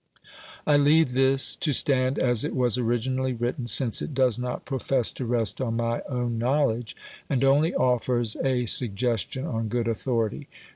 I leave this to stand as it was originally written since it does not profess to rest on my own knowledge, and only offers a suggestion on good authority.